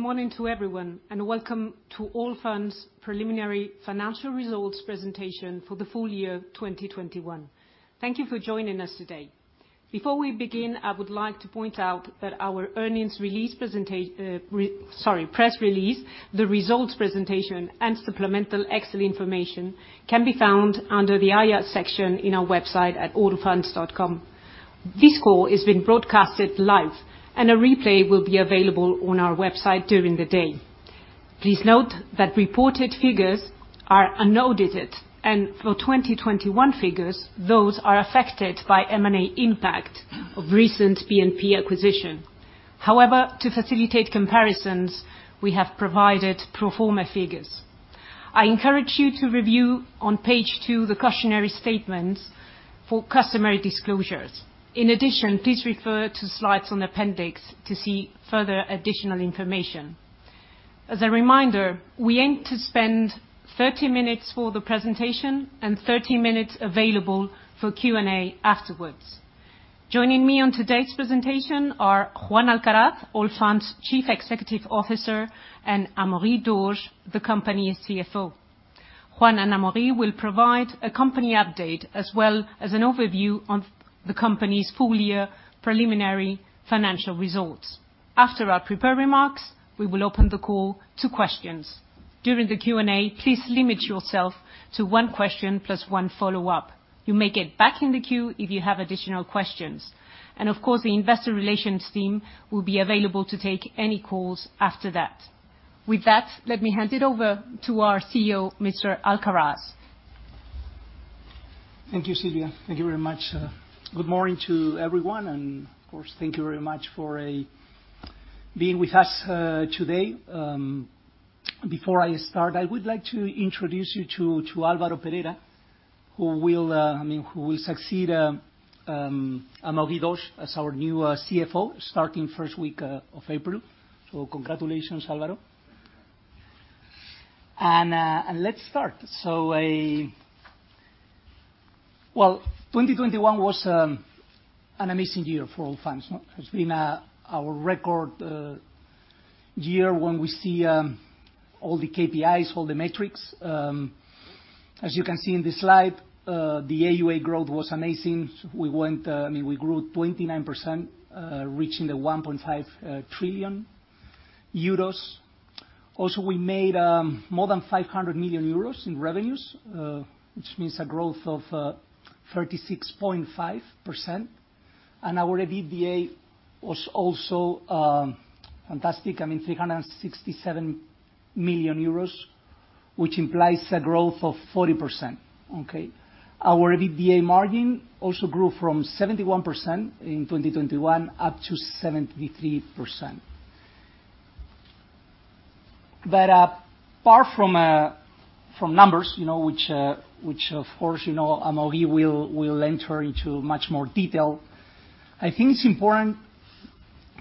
Good morning to everyone, and welcome to Allfunds preliminary financial results presentation for the full year 2021. Thank you for joining us today. Before we begin, I would like to point out that our press release, the results presentation and supplemental exhibit information can be found under the IR section in our website at allfunds.com. This call is being broadcast live, and a replay will be available on our website during the day. Please note that reported figures are unaudited, and for 2021 figures, those are affected by M&A impact of recent BNP acquisition. However, to facilitate comparisons, we have provided pro forma figures. I encourage you to review on page two the cautionary statements for customary disclosures. In addition, please refer to slides in appendix to see further additional information. As a reminder, we aim to spend 30 minutes for the presentation and 30 minutes available for Q&A afterwards. Joining me on today's presentation are Juan Alcaraz, Allfunds Chief Executive Officer, and Amaury Dauge, the company's CFO. Juan and Amaury will provide a company update, as well as an overview on the company's full year preliminary financial results. After our prepared remarks, we will open the call to questions. During the Q&A, please limit yourself to one question plus one follow-up. You may get back in the queue if you have additional questions. Of course, the investor relations team will be available to take any calls after that. With that, let me hand it over to our CEO, Mr. Alcaraz. Thank you, Silvia. Thank you very much. Good morning to everyone, and of course, thank you very much for being with us today. Before I start, I would like to introduce you to Álvaro Perera, who will, I mean, succeed Amaury Dauge as our new CFO starting first week of April. Congratulations, Alvaro. Let's start. 2021 was an amazing year for Allfunds. It's been our record year when we see all the KPIs, all the metrics. As you can see in this slide, the AuA growth was amazing. We went, I mean, we grew 29%, reaching 1.5 trillion euros. We made more than 500 million euros in revenues, which means a growth of 36.5%. Our EBITDA was also fantastic. I mean, 367 million euros, which implies a growth of 40%, okay? Our EBITDA margin also grew from 71% in 2021 up to 73%. Apart from numbers, you know, which of course, you know, Amaury will enter into much more detail, I think it's important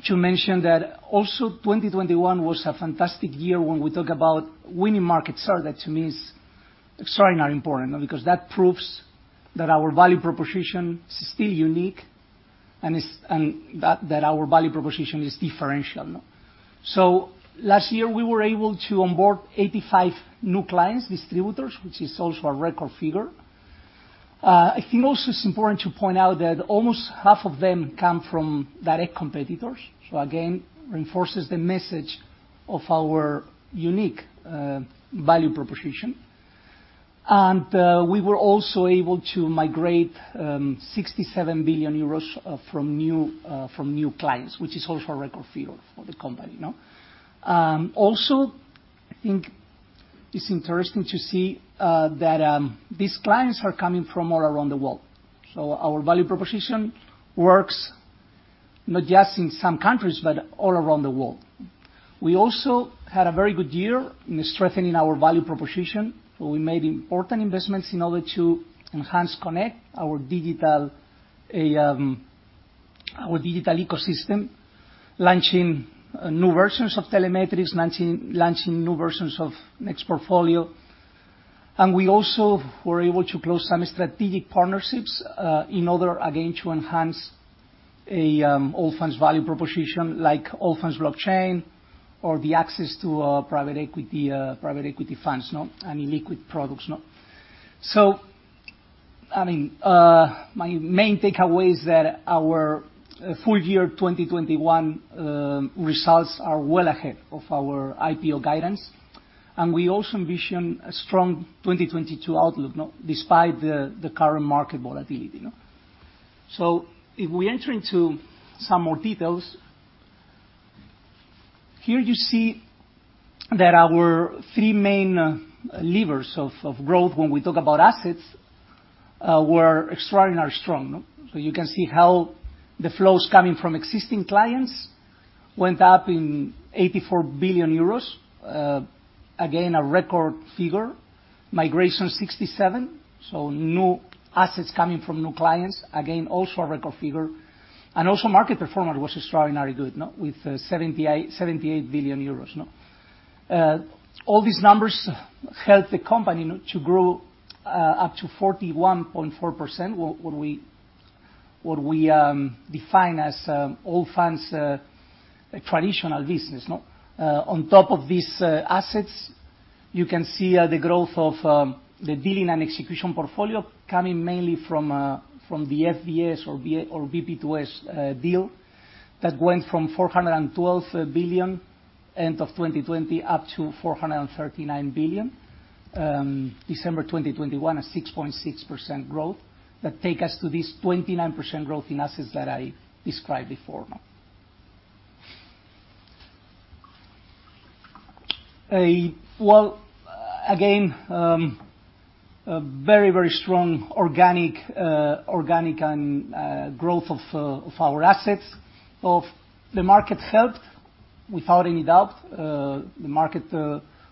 to mention that 2021 was a fantastic year when we talk about winning markets. That to me is extraordinarily important, because that proves that our value proposition is still unique and is, and that our value proposition is differential. Last year, we were able to onboard 85 new clients, distributors, which is also a record figure. I think also it's important to point out that almost half of them come from direct competitors. Again, reinforces the message of our unique value proposition. We were also able to migrate 67 billion euros from new clients, which is also a record figure for the company, you know? Also, I think it's interesting to see that these clients are coming from all around the world. Our value proposition works not just in some countries, but all around the world. We also had a very good year in strengthening our value proposition. We made important investments in order to enhance Connect, our digital ecosystem, launching new versions of Telemetrics, launching new versions of Nextportfolio. We also were able to close some strategic partnerships, in order, again, to enhance, Allfunds value proposition like Allfunds Blockchain or the access to, private equity funds, no? I mean, liquid products, no? My main takeaway is that our full year 2021 results are well ahead of our IPO guidance, and we also envision a strong 2022 outlook, no? Despite the current market volatility, you know? If we enter into some more details, here you see that our three main, levers of growth when we talk about assets, were extraordinarily strong. You can see how the flows coming from existing clients went up in 84 billion euros. Again, a record figure. Migration, 67. New assets coming from new clients, again, also a record figure. Also market performance was extraordinarily good, no? With 78 billion euros, no? All these numbers helped the company, no, to grow up to 41.4% when we define as Allfunds traditional business, no? On top of these assets, you can see the growth of the dealing and execution portfolio coming mainly from the BP2S deal that went from 412 billion end of 2020 up to 439 billion December 2021, a 6.6% growth that take us to this 29% growth in assets that I described before. Well, again, a very strong organic and growth of our assets. The market helped, without any doubt. The market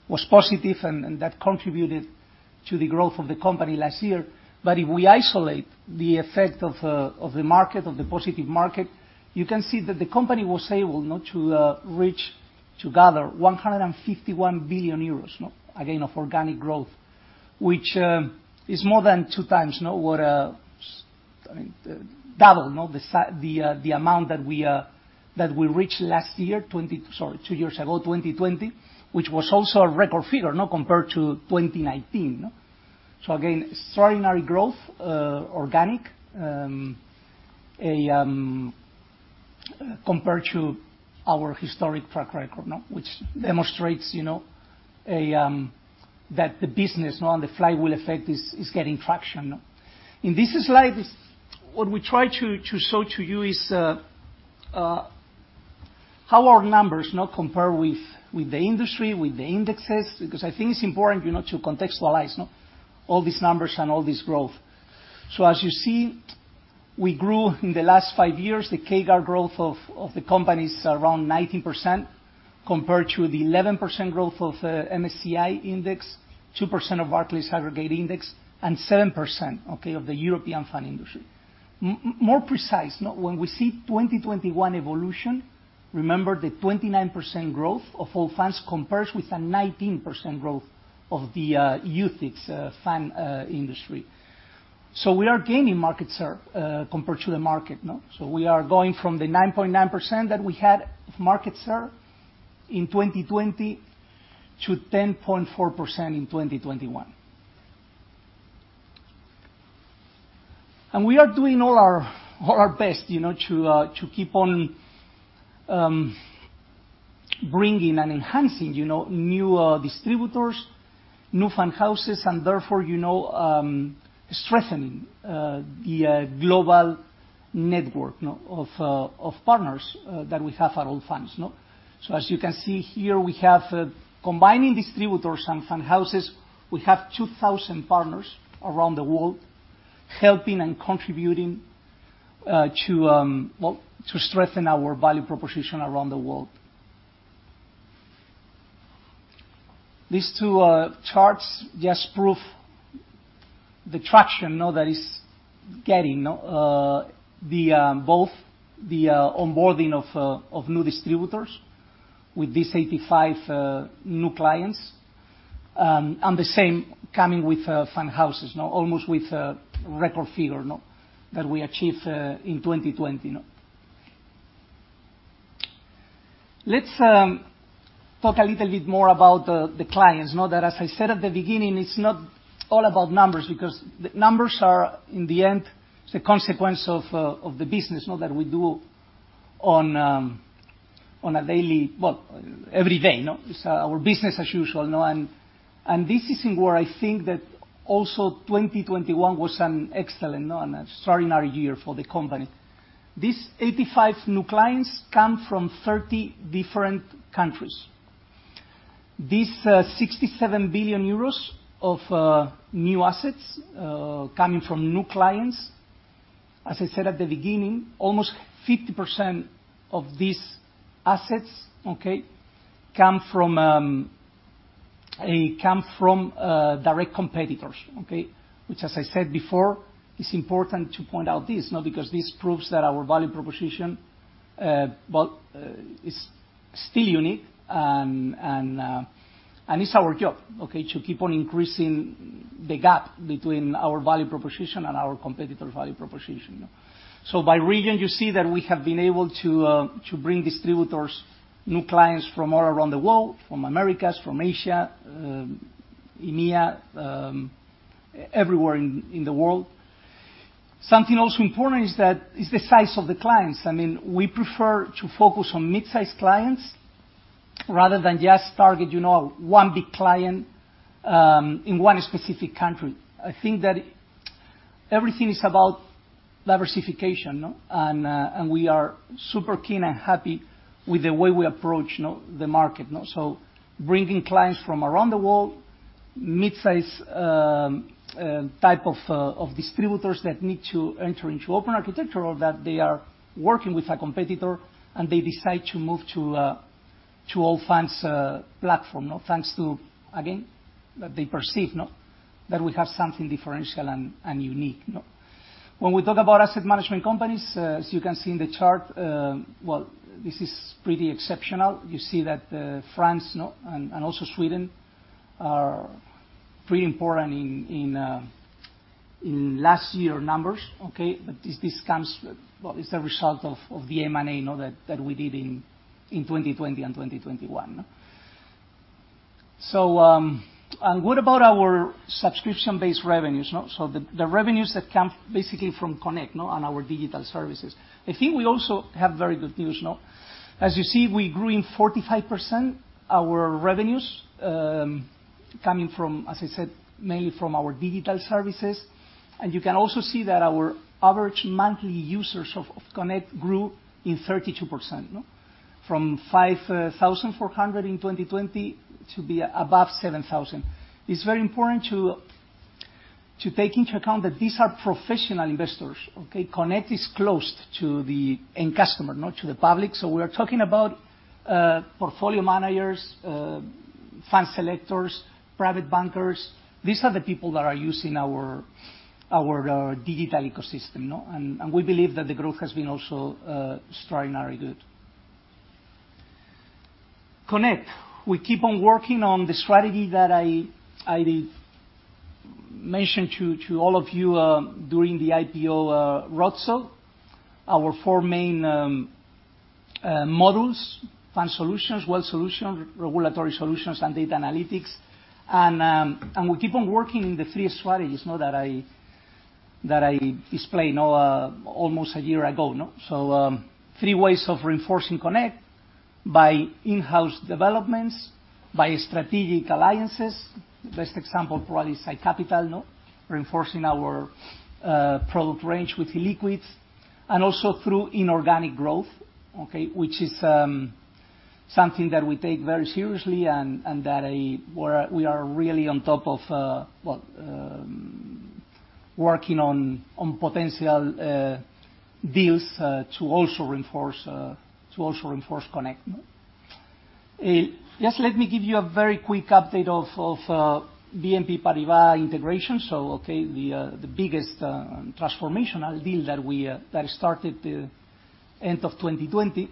was positive and that contributed to the growth of the company last year. If we isolate the effect of the market, of the positive market, you can see that the company was able to gather 151 billion euros again of organic growth, which is more than two times what I mean double the amount that we reached two years ago, 2020, which was also a record figure compared to 2019. Again, extraordinary organic growth compared to our historic track record, which demonstrates you know that the business and the flywheel effect is getting traction. In this slide, what we try to show to you is how our numbers compare with the industry, with the indexes, because I think it's important, you know, to contextualize all these numbers and all this growth. As you see, we grew in the last five years. The CAGR growth of the company is around 19% compared to the 11% growth of MSCI index, 2% of Barclays Aggregate Index, and 7% of the European fund industry. More precise, when we see 2021 evolution, remember the 29% growth of Allfunds compares with a 19% growth of the UCITS fund industry. We are gaining market share compared to the market? We are going from the 9.9% that we had of market share in 2020 to 10.4% in 2021. We are doing all our best, you know, to keep on bringing and enhancing, you know, new distributors, new fund houses, and therefore, you know, strengthening the global network of partners that we have at Allfunds. As you can see here, we have combining distributors and fund houses, 2000 partners around the world helping and contributing to well, to strengthen our value proposition around the world. These two charts just prove the traction that is getting both the onboarding of new distributors with these 85 new clients and the same coming with fund houses almost with a record figure that we achieved in 2020. Let's talk a little bit more about the clients that as I said at the beginning, it's not all about numbers because the numbers are, in the end, it's a consequence of the business that we do on a daily, well, every day. It's our business as usual and this is where I think that also 2021 was an excellent and extraordinary year for the company. These 85 new clients come from 30 different countries. These 67 billion euros of new assets coming from new clients, as I said at the beginning, almost 50% of these assets, okay, come from direct competitors, okay? Which, as I said before, it's important to point out this, no, because this proves that our value proposition, well, is still unique and it's our job, okay, to keep on increasing the gap between our value proposition and our competitor value proposition. By region, you see that we have been able to bring distributors, new clients from all around the world, from Americas, from Asia, EMEA, everywhere in the world. Something also important is that the size of the clients. I mean, we prefer to focus on mid-sized clients rather than just target, you know, one big client, in one specific country. I think that everything is about diversification, no? We are super keen and happy with the way we approach, no, the market, no? Bringing clients from around the world, mid-size, type of distributors that need to enter into open architecture or that they are working with a competitor and they decide to move to Allfunds, platform, no? Thanks to, again, that they perceive, no, that we have something differential and unique, no? When we talk about asset management companies, as you can see in the chart, well, this is pretty exceptional. You see that, France, no, and also Sweden are pretty important in, in last year numbers, okay? It's a result of the M&A, you know, that we did in 2020 and 2021. What about our subscription-based revenues, no? The revenues that come basically from Connect, no, and our digital services. I think we also have very good news, no? As you see, we grew 45% our revenues, coming from, as I said, mainly from our digital services. You can also see that our average monthly users of Connect grew 32%, no? From 5,400 in 2020 to be above 7,000. It's very important to take into account that these are professional investors, okay? Connect is closed to the end customer, not to the public, so we're talking about portfolio managers, fund selectors, private bankers. These are the people that are using our digital ecosystem, no? We believe that the growth has been also extraordinarily good. Connect. We keep on working on the strategy that I mentioned to all of you during the IPO roadshow. Our four main models, Fund Solutions, Wealth Solution, Regulatory Solutions, and data analytics. We keep on working in the three strategies, no, that I explained, no, almost a year ago, no? Three ways of reinforcing Connect by in-house developments, by strategic alliances. Best example probably is iCapital, no? Reinforcing our product range with illiquids, and also through inorganic growth, okay? Which is something that we take very seriously and that we are really on top of, well, working on potential deals to also reinforce Connect. Just let me give you a very quick update of BNP Paribas integration. The biggest transformational deal that we started at the end of 2020.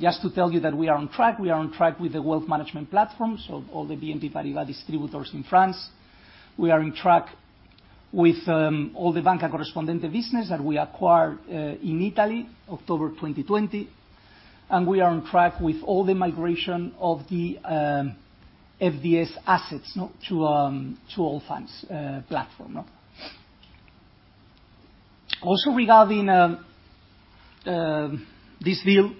Just to tell you that we are on track. We are on track with the wealth management platform, so all the BNP Paribas distributors in France. We are on track with all the Banca Corrispondente business that we acquired in Italy, October 2020, and we are on track with all the migration of the FDS assets to Allfunds' platform. Also regarding this deal,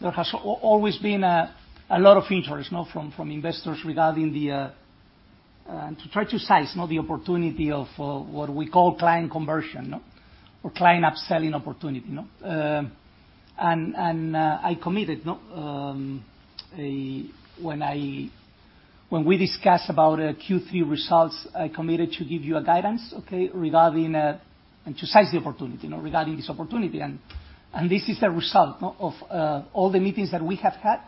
there has always been a lot of interest, no, from investors regarding to try to seize, no, the opportunity of what we call client conversion, no? Or client upselling opportunity, no? When we discussed about Q3 results, I committed to give you a guidance, okay, regarding and to seize the opportunity, no, regarding this opportunity. This is the result, no, of all the meetings that we have had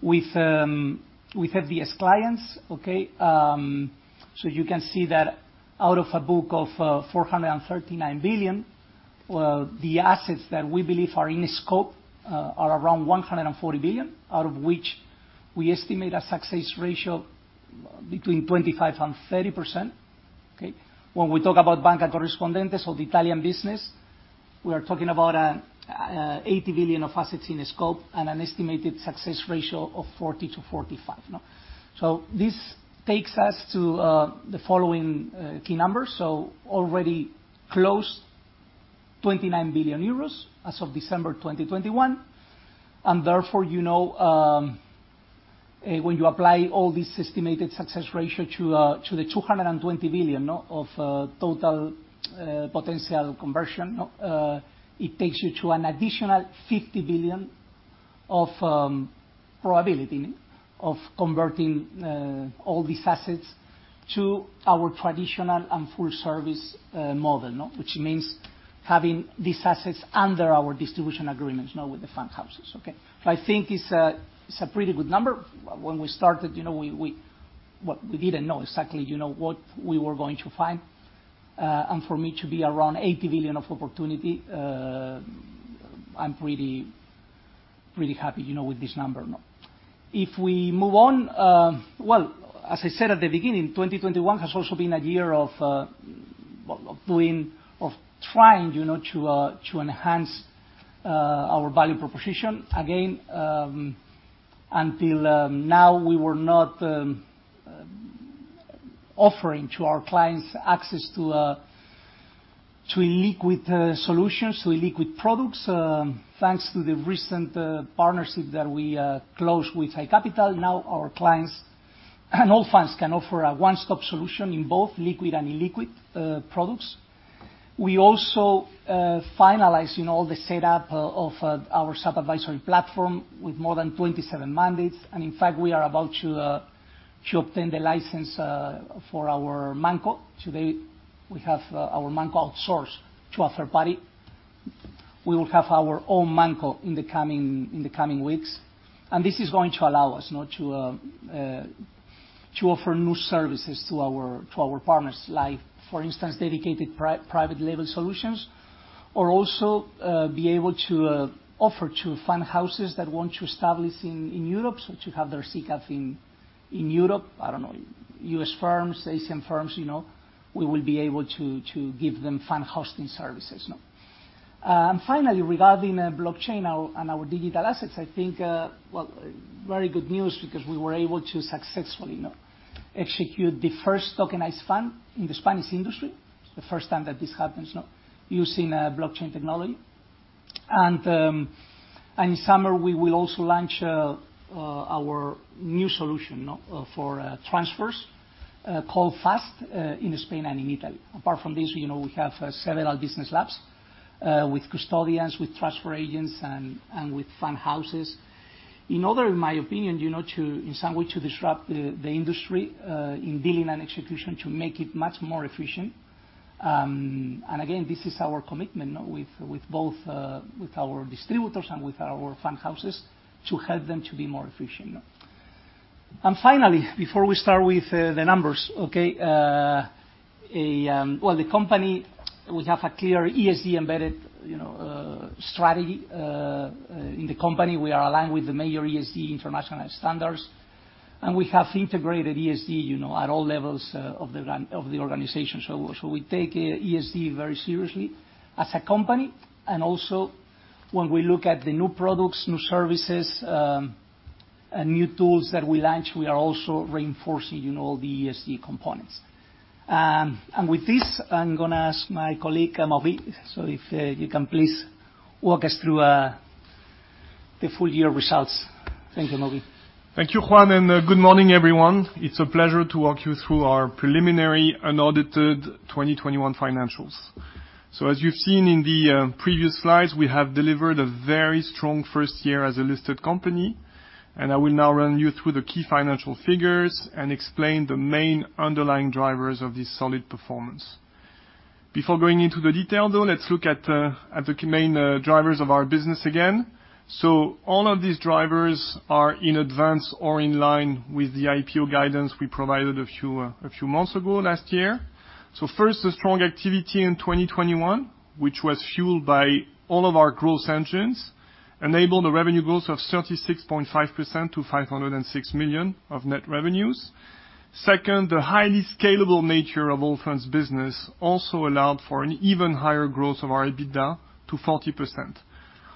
with FDS clients, okay? So you can see that out of a book of 439 billion, well, the assets that we believe are in scope are around 140 billion, out of which we estimate a success ratio between 25%-30%, okay? When we talk about Banca Corrispondente, so the Italian business, we are talking about 80 billion of assets in scope and an estimated success ratio of 40%-45%. This takes us to the following key numbers. Already closed 29 billion euros as of December 2021, and therefore, you know, when you apply all this estimated success ratio to the 220 billion of total potential conversion, it takes you to an additional 50 billion of probability of converting all these assets to our traditional and full service model. Which means having these assets under our distribution agreements with the fund houses, okay? I think it's a pretty good number. When we started, you know, well, we didn't know exactly, you know, what we were going to find. For me to be around 80 billion of opportunity, I'm pretty happy, you know, with this number, no. If we move on, well, as I said at the beginning, 2021 has also been a year of well, of doing, of trying, you know, to to enhance our value proposition. Again, until now, we were not offering to our clients access to illiquid solutions, to illiquid products. Thanks to the recent partnership that we closed with iCapital, now our clients and Allfunds can offer a one-stop solution in both liquid and illiquid products. We also finalizing all the setup of our sub-advisory platform with more than 27 mandates. In fact, we are about to obtain the license for our ManCo. Today, we have our ManCo outsourced to a third party. We will have our own ManCo in the coming weeks, and this is going to allow us to offer new services to our partners, like, for instance, dedicated private label solutions. Or also be able to offer to fund houses that want to establish in Europe, so to have their SICAV in Europe, I don't know, US firms, Asian firms, you know. We will be able to give them fund hosting services. Finally, regarding blockchain and our digital assets, I think very good news because we were able to successfully execute the first tokenized fund in the Spanish industry. It's the first time that this happens, you know, using blockchain technology. In summer, we will also launch our new solution for transfers called FAST in Spain and in Italy. Apart from this, you know, we have several business labs with custodians, with transfer agents and with fund houses. In order, in my opinion, you know, in some way to disrupt the industry in dealing and execution to make it much more efficient. Again, this is our commitment with both our distributors and with our fund houses to help them to be more efficient. Finally, before we start with the numbers, well, the company, we have a clear ESG-embedded, you know, strategy in the company. We are aligned with the major ESG international standards, and we have integrated ESG, you know, at all levels of the organization. We take ESG very seriously as a company. Also when we look at the new products, new services, and new tools that we launch, we are also reinforcing, you know, the ESG components. With this, I'm gonna ask my colleague, Amaury. If you can please walk us through the full year results. Thank you, Amaury. Thank you, Juan, and good morning, everyone. It's a pleasure to walk you through our preliminary unaudited 2021 financials. As you've seen in the previous slides, we have delivered a very strong first year as a listed company, and I will now run you through the key financial figures and explain the main underlying drivers of this solid performance. Before going into the detail, though, let's look at the main drivers of our business again. All of these drivers are in advance or in line with the IPO guidance we provided a few months ago last year. First, the strong activity in 2021, which was fueled by all of our growth engines, enabled a revenue growth of 36.5% to 506 million net revenues. Second, the highly scalable nature of Allfunds business also allowed for an even higher growth of our EBITDA to 40%.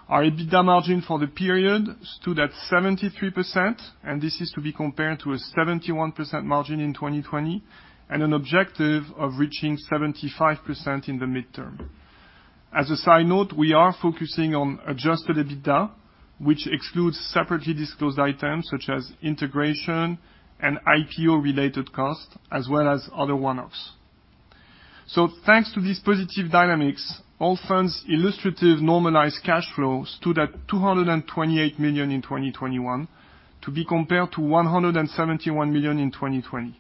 Our EBITDA margin for the period stood at 73%, and this is to be compared to a 71% margin in 2020, and an objective of reaching 75% in the midterm. As a side note, we are focusing on adjusted EBITDA, which excludes separately disclosed items such as integration and IPO-related costs as well as other one-offs. Thanks to these positive dynamics, Allfunds illustrative normalized cash flows stood at 228 million in 2021, to be compared to 171 million in 2020.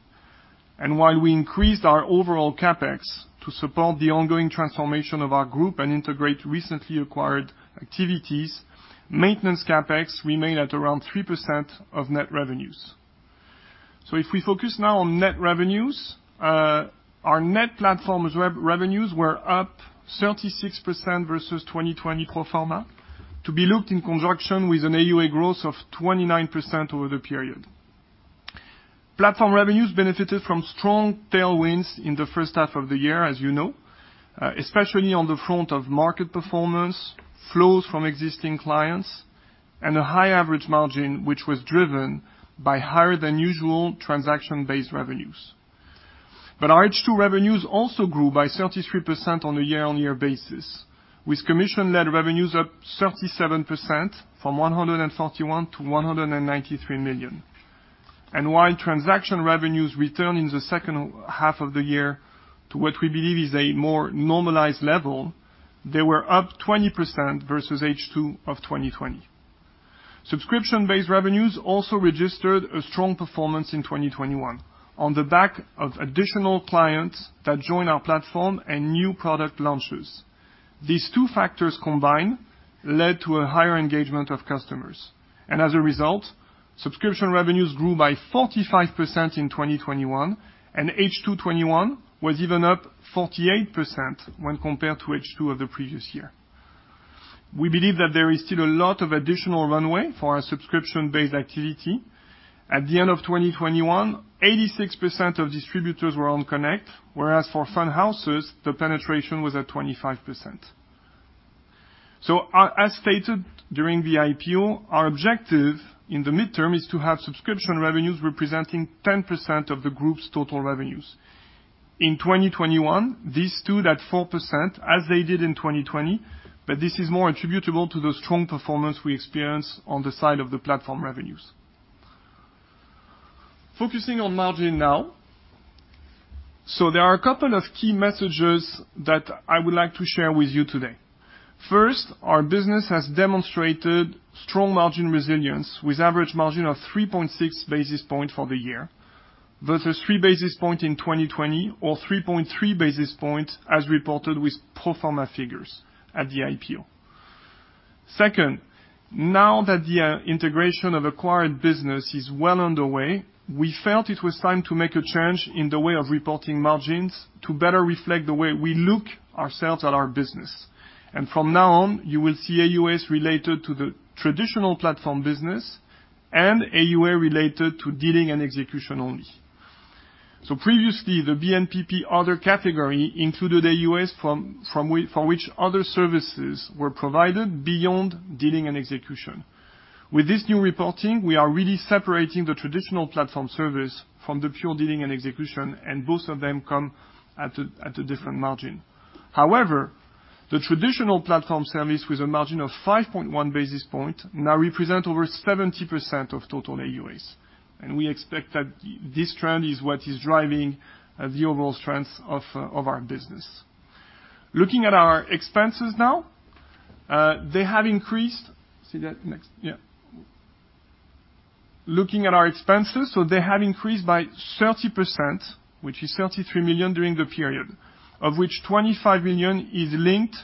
While we increased our overall CapEx to support the ongoing transformation of our group and integrate recently acquired activities, maintenance CapEx remained at around 3% of net revenues. If we focus now on net revenues, our net platform's revenues were up 36% versus 2020 pro forma to be looked in conjunction with an AUA growth of 29% over the period. Platform revenues benefited from strong tailwinds in the first half of the year, as you know, especially on the front of market performance, flows from existing clients, and a high average margin, which was driven by higher than usual transaction-based revenues. Our H2 revenues also grew by 33% on a year-on-year basis, with commission-led revenues up 37% from 141 million to 193 million. While transaction revenues returned in the second half of the year to what we believe is a more normalized level, they were up 20% versus H2 of 2020. Subscription-based revenues also registered a strong performance in 2021 on the back of additional clients that joined our platform and new product launches. These two factors combined led to a higher engagement of customers. As a result, subscription revenues grew by 45% in 2021, and H2 2021 was even up 48% when compared to H2 of the previous year. We believe that there is still a lot of additional runway for our subscription-based activity. At the end of 2021, 86% of distributors were on Connect, whereas for fund houses, the penetration was at 25%. As stated during the IPO, our objective in the midterm is to have subscription revenues representing 10% of the group's total revenues. In 2021, these stood at 4%, as they did in 2020, but this is more attributable to the strong performance we experienced on the side of the platform revenues. Focusing on margin now. There are a couple of key messages that I would like to share with you today. First, our business has demonstrated strong margin resilience, with average margin of 3.6 basis points for the year, versus 3 basis points in 2020 or 3.3 basis points as reported with pro forma figures at the IPO. Second, now that the integration of acquired business is well underway, we felt it was time to make a change in the way of reporting margins to better reflect the way we look ourselves at our business. From now on, you will see AuA related to the traditional platform business and AuA related to dealing and execution only. Previously, the BNPP other category included AuA from which other services were provided beyond dealing and execution. With this new reporting, we are really separating the traditional platform service from the pure dealing and execution, and both of them come at a different margin. However, the traditional platform service with a margin of 5.1 basis points now represents over 70% of total AuAs. We expect that this trend is what is driving the overall strength of our business. Looking at our expenses now, they have increased. See that. Next. Yeah. Looking at our expenses, they have increased by 30%, which is 33 million during the period, of which 25 million is linked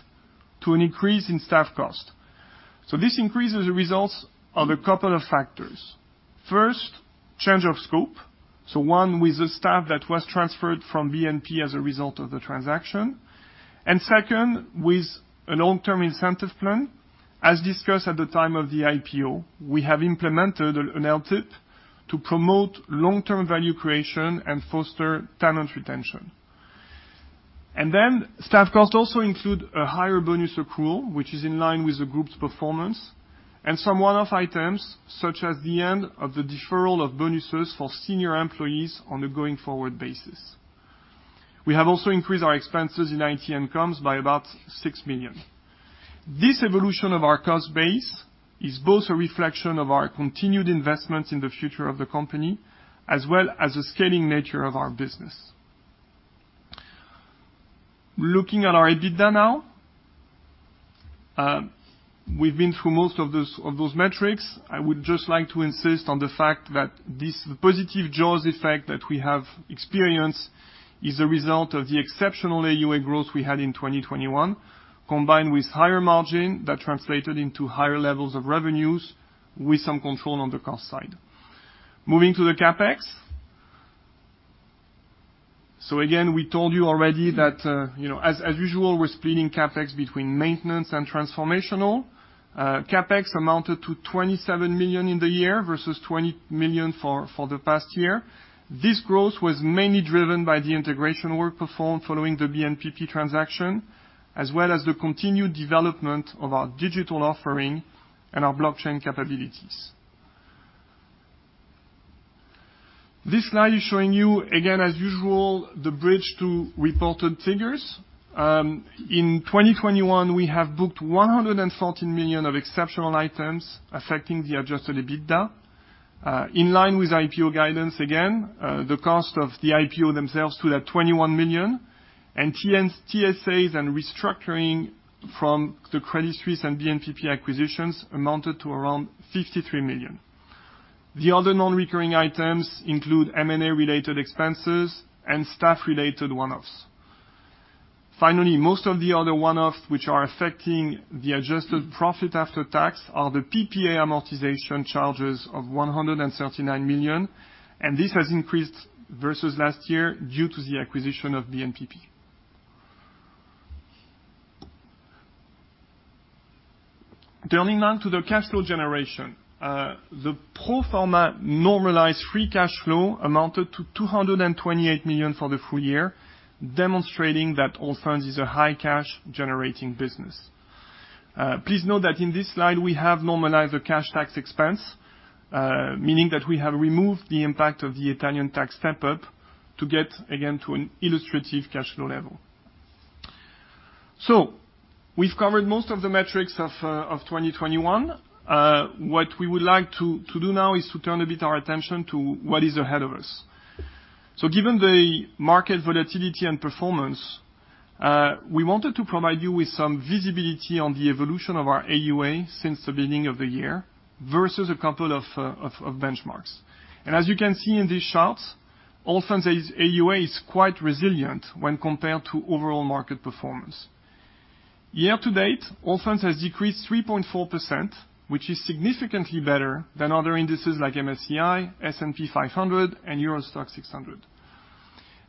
to an increase in staff cost. This increase is a result of a couple of factors. First, change of scope, one with the staff that was transferred from BNP as a result of the transaction. Second, with a long-term incentive plan. As discussed at the time of the IPO, we have implemented an LTIP to promote long-term value creation and foster talent retention. Staff costs also include a higher bonus accrual, which is in line with the group's performance, and some one-off items, such as the end of the deferral of bonuses for senior employees on a going-forward basis. We have also increased our expenses in IT and comms by about 6 million. This evolution of our cost base is both a reflection of our continued investment in the future of the company, as well as the scaling nature of our business. Looking at our EBITDA now, we've been through most of those metrics. I would just like to insist on the fact that this positive jaws effect that we have experienced is a result of the exceptional AuA growth we had in 2021, combined with higher margin that translated into higher levels of revenues with some control on the cost side. Moving to the CapEx. Again, we told you already that, you know, as usual, we're splitting CapEx between maintenance and transformational. CapEx amounted to 27 million in the year versus 20 million for the past year. This growth was mainly driven by the integration work performed following the BNPP transaction, as well as the continued development of our digital offering and our blockchain capabilities. This slide is showing you, again, as usual, the bridge to reported figures. In 2021, we have booked 114 million of exceptional items affecting the adjusted EBITDA. In line with IPO guidance again, the cost of the IPO themselves stood at 21 million, and TSAs and restructuring from the Credit Suisse and BNPP acquisitions amounted to around 53 million. The other non-recurring items include M&A-related expenses and staff-related one-offs. Finally, most of the other one-offs which are affecting the adjusted profit after tax are the PPA amortization charges of 139 million, and this has increased versus last year due to the acquisition of BNPP. Turning now to the cash flow generation. The pro forma normalized free cash flow amounted to 228 million for the full year, demonstrating that Allfunds is a high cash generating business. Please note that in this slide we have normalized the cash tax expense, meaning that we have removed the impact of the Italian tax step-up to get again to an illustrative cash flow level. We've covered most of the metrics of 2021. What we would like to do now is to turn a bit our attention to what is ahead of us. Given the market volatility and performance, we wanted to provide you with some visibility on the evolution of our AUA since the beginning of the year versus a couple of benchmarks. As you can see in these charts, AUA is quite resilient when compared to overall market performance. Year to date, Allfunds has decreased 3.4%, which is significantly better than other indices like MSCI, S&P 500, and STOXX Europe 600.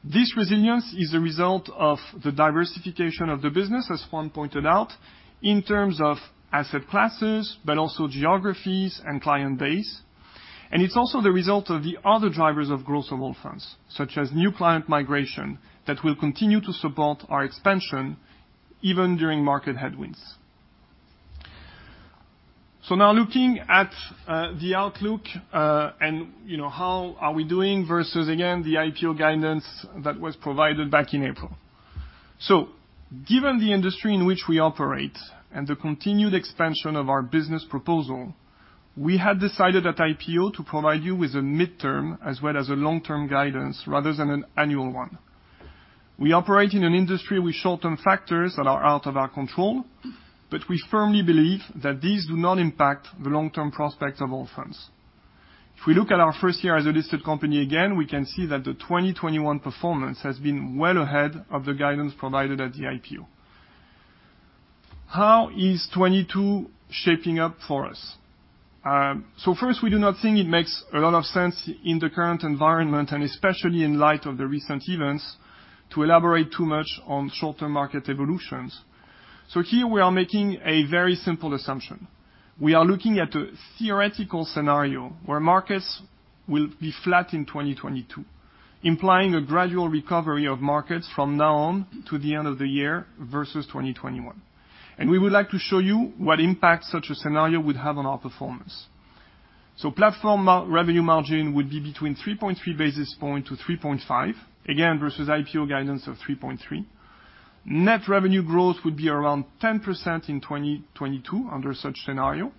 This resilience is a result of the diversification of the business, as Juan pointed out, in terms of asset classes, but also geographies and client base. It's also the result of the other drivers of growth of Allfunds, such as new client migration, that will continue to support our expansion even during market headwinds. Now looking at the outlook, and you know, how are we doing versus, again, the IPO guidance that was provided back in April. Given the industry in which we operate and the continued expansion of our business proposal, we had decided at IPO to provide you with a midterm as well as a long-term guidance, rather than an annual one. We operate in an industry with short-term factors that are out of our control, but we firmly believe that these do not impact the long-term prospects of Allfunds. If we look at our first year as a listed company, again, we can see that the 2021 performance has been well ahead of the guidance provided at the IPO. How is 2022 shaping up for us? First, we do not think it makes a lot of sense in the current environment, and especially in light of the recent events, to elaborate too much on short-term market evolutions. Here we are making a very simple assumption. We are looking at a theoretical scenario where markets will be flat in 2022, implying a gradual recovery of markets from now on to the end of the year versus 2021. We would like to show you what impact such a scenario would have on our performance. Platform revenue margin would be between 3.3 basis points-3.5, again, versus IPO guidance of 3.3. Net revenue growth would be around 10% in 2022 under such scenario,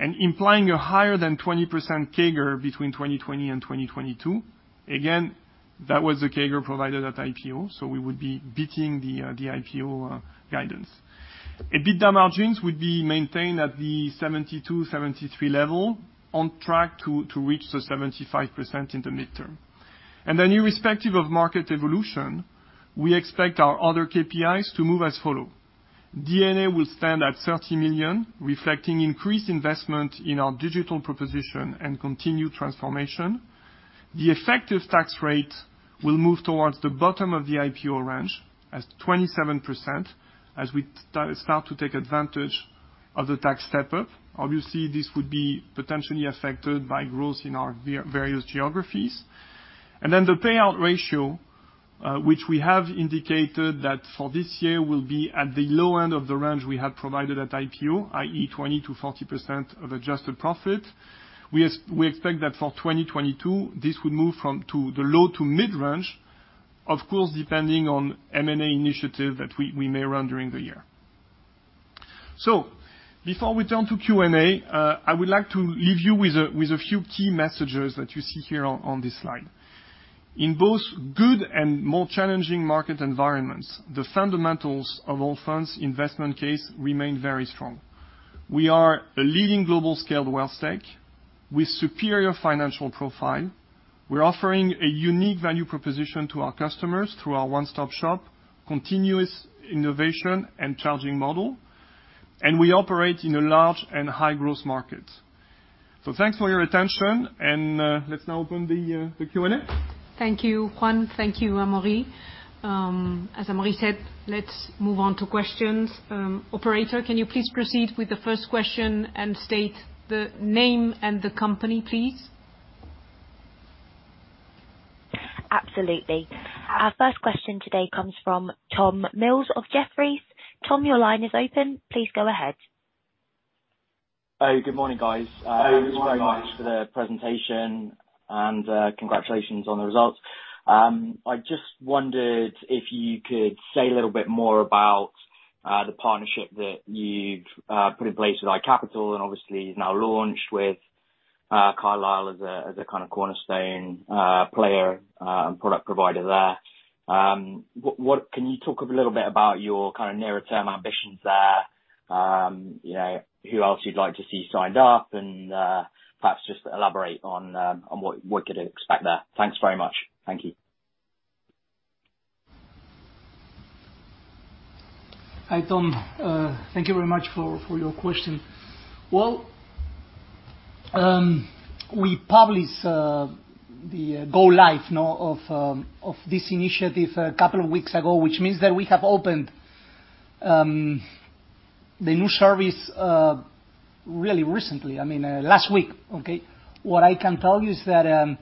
and implying a higher than 20% CAGR between 2020 and 2022. Again, that was the CAGR provided at IPO, so we would be beating the IPO guidance. EBITDA margins would be maintained at the 72-73 level on track to reach the 75% in the midterm. Irrespective of market evolution, we expect our other KPIs to move as follows. D&A will stand at 30 million, reflecting increased investment in our digital proposition and continued transformation. The effective tax rate will move towards the bottom of the IPO range as 27% as we start to take advantage of the tax step up. Obviously, this would be potentially affected by growth in our various geographies. Then the payout ratio, which we have indicated that for this year will be at the low end of the range we have provided at IPO, i.e., 20%-40% of adjusted profit. We expect that for 2022, this would move from to the low to mid-range, of course, depending on M&A initiative that we may run during the year. Before we turn to Q&A, I would like to leave you with a few key messages that you see here on this slide. In both good and more challenging market environments, the fundamentals of Allfunds investment case remain very strong. We are a leading global scaled wealth tech with superior financial profile. We're offering a unique value proposition to our customers through our one-stop shop, continuous innovation and charging model, and we operate in a large and high-growth market. Thanks for your attention and let's now open the Q&A. Thank you, Juan. Thank you, Amaury. As Amaury said, let's move on to questions. Operator, can you please proceed with the first question and state the name and the company, please? Absolutely. Our first question today comes from Tom Mills of Jefferies. Tom, your line is open. Please go ahead. Oh, good morning, guys. Good morning. Thanks very much for the presentation and congratulations on the results. I just wondered if you could say a little bit more about the partnership that you've put in place with iCapital and obviously you've now launched with Carlyle as a kind of cornerstone player and product provider there. Can you talk a little bit about your kind of nearer term ambitions there, you know, who else you'd like to see signed up? Perhaps just elaborate on what we could expect there. Thanks very much. Thank you. Hi, Tom. Thank you very much for your question. Well, we published the go live, you know, of this initiative a couple of weeks ago, which means that we have opened the new service really recently. I mean, last week, okay? What I can tell you is that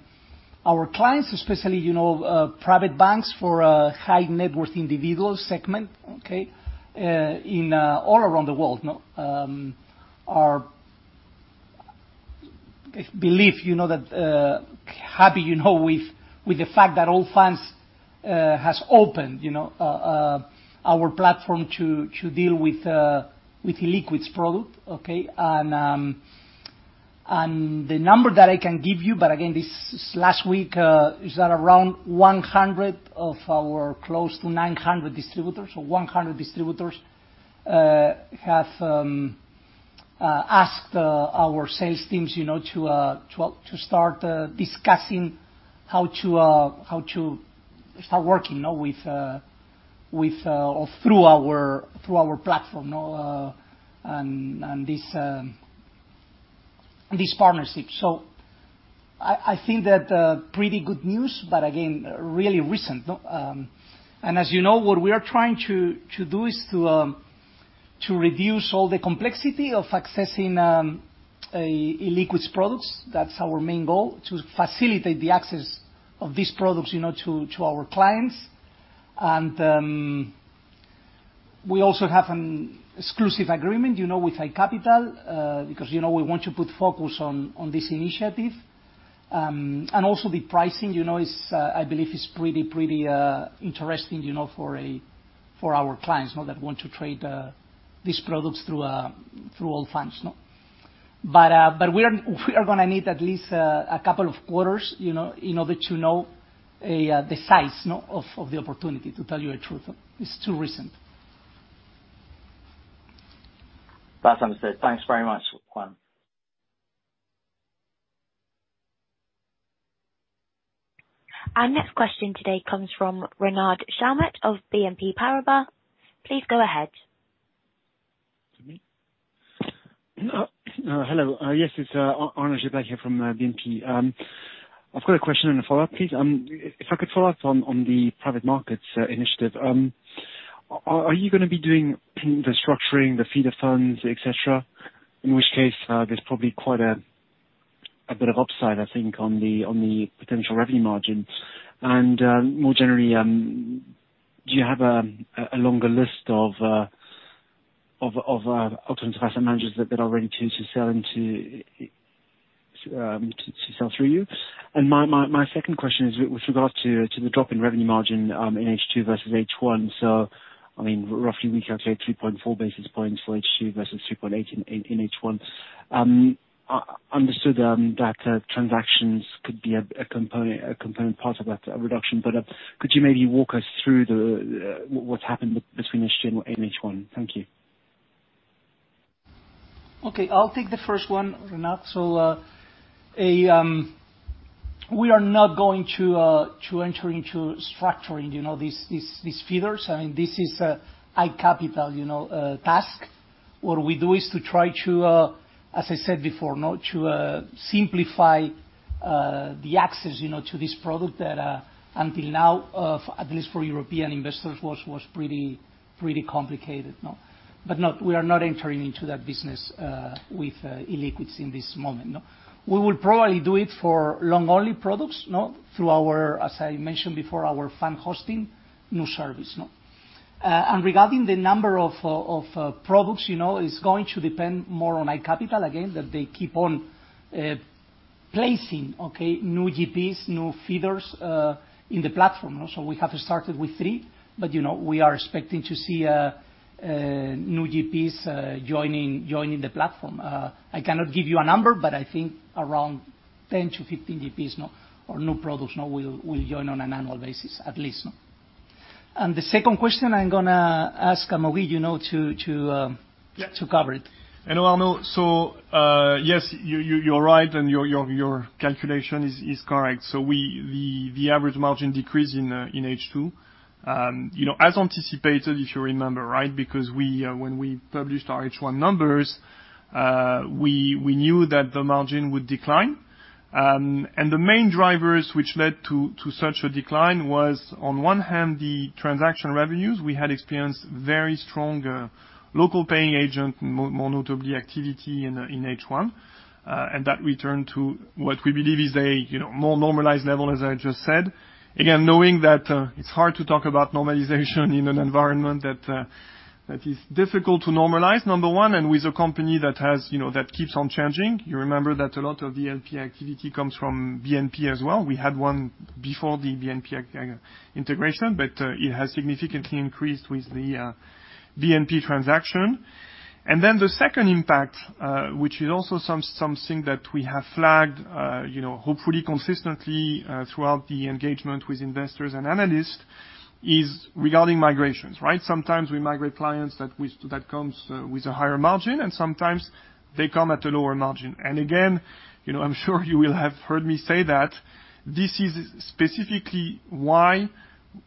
our clients, especially, you know, private banks for a high net worth individual segment, okay, in all around the world, you know, are, I believe, you know, that happy, you know, with the fact that Allfunds has opened, you know, our platform to deal with illiquids product, okay? The number that I can give you, but again, this is last week, is that around 100 of our close to 900 distributors or 100 distributors have asked our sales teams, you know, to start discussing how to start working, you know, with or through our platform, you know, and this partnership. I think that's pretty good news, but again, really recent. As you know, what we are trying to do is to reduce all the complexity of accessing illiquids products. That's our main goal, to facilitate the access of these products, you know, to our clients. We also have an exclusive agreement, you know, with iCapital, because, you know, we want to put focus on this initiative. Also the pricing, you know, is, I believe, pretty interesting, you know, for our clients, you know, that want to trade these products through Allfunds, you know. We are gonna need at least a couple of quarters, you know, in order to know the size, you know, of the opportunity, to tell you the truth. It's too recent. That's understood. Thanks very much, Juan. Our next question today comes from Arnaud Giblat of BNP Paribas. Please go ahead. Hello. Yes, it's Arnaud Giblat here from BNP. I've got a question and a follow-up, please. If I could follow up on the private markets initiative. Are you gonna be doing the structuring, the feeder funds, et cetera? In which case, there's probably quite a bit of upside, I think, on the potential revenue margin. More generally, do you have a longer list of asset managers that are ready to sell through you? My second question is with regard to the drop in revenue margin in H2 versus H1. I mean, roughly we calculate 3.4 basis points for H2 versus 3.8 in H1. Understood that transactions could be a component part of that reduction. Could you maybe walk us through what's happened between H2 and H1? Thank you. Okay, I'll take the first one, Arnaud. We are not going to enter into structuring, you know, these feeders. I mean, this is a iCapital, you know, task. What we do is to try to, as I said before, no, to simplify the access, you know, to this product that until now at least for European investors was pretty complicated, no. No, we are not entering into that business with illiquids in this moment, no. We will probably do it for long-only products, no, through our, as I mentioned before, our fund hosting new service, no. Regarding the number of products, you know, it's going to depend more on iCapital, again, that they keep on placing new GPs, new feeders in the platform. We have started with three, but you know, we are expecting to see new GPs joining the platform. I cannot give you a number, but I think around 10-15 GPs or new products will join on an annual basis, at least. The second question I'm gonna ask Amaury you know to Yeah. To cover it. Hello, Arnaud. Yes, you're right, and your calculation is correct. The average margin decrease in H2, you know, as anticipated, if you remember, right? Because we, when we published our H1 numbers, we knew that the margin would decline. The main drivers which led to such a decline was, on one hand, the transaction revenues. We had experienced very strong local paying agent, more notably activity in H1. That returned to what we believe is a more normalized level, as I just said. Again, knowing that it's hard to talk about normalization in an environment that is difficult to normalize, number one. With a company that, you know, keeps on changing. You remember that a lot of the LP activity comes from BNP as well. We had one before the BNP acquisition, but it has significantly increased with the BNP transaction. The second impact, which is also something that we have flagged, you know, hopefully consistently, throughout the engagement with investors and analysts, is regarding migrations, right? Sometimes we migrate clients that comes with a higher margin, and sometimes they come at a lower margin. Again, you know, I'm sure you will have heard me say that this is specifically why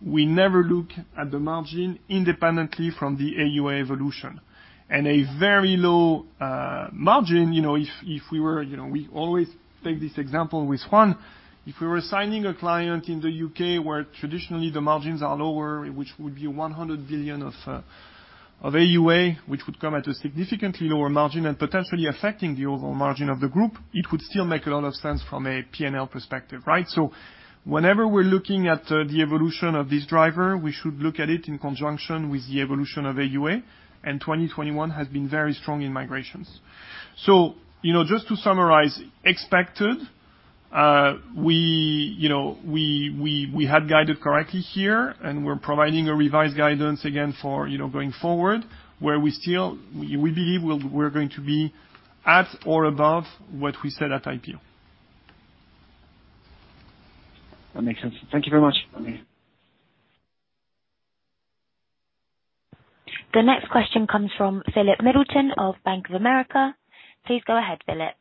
we never look at the margin independently from the AUA evolution. A very low margin, you know, if we were. You know, we always take this example with Juan. If we were signing a client in the U.K., where traditionally the margins are lower, which would be 100 billion of AUA, which would come at a significantly lower margin and potentially affecting the overall margin of the group, it would still make a lot of sense from a PNL perspective, right? Whenever we're looking at the evolution of this driver, we should look at it in conjunction with the evolution of AUA. 2021 has been very strong in migrations. You know, just to summarize, we had guided correctly here, and we're providing a revised guidance again for going forward, where we believe we're going to be at or above what we said at IPO. That makes sense. Thank you very much. Okay. The next question comes from Philip Middleton of Bank of America. Please go ahead, Philip.